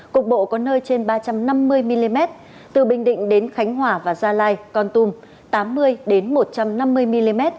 cục bộ có nơi trên ba trăm năm mươi mm từ bình định đến khánh hòa và gia lai con tum tám mươi một trăm năm mươi mm